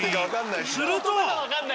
すると。